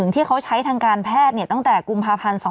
ที่เขาใช้ทางการแพทย์ตั้งแต่กุมภาพันธ์๒๕๖